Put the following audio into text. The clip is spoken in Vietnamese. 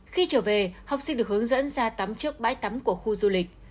khi trở về học sinh được hướng dẫn ra tắm trước bãi tắm của khu du lịch